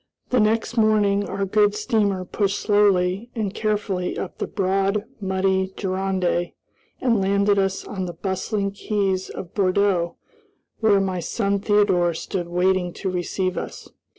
The next morning our good steamer pushed slowly and carefully up the broad, muddy Gironde and landed us on the bustling quays of Bordeaux, where my son Theodore stood waiting to receive us.